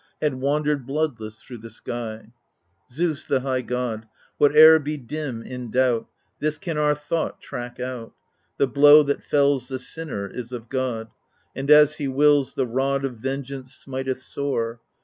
Had wandered bloodless through the sky. Zeus, the high God I — whatever be dim in doubt, This can our thought track out — The blow that fells the sinner is of God, And as he wills, the rod Of vengeance smiteth sore.